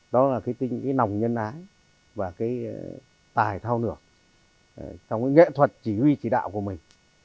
đó là cái nòng nhân ái và cái tài thao nửa trong cái nghệ thuật chỉ huy chỉ đạo của mình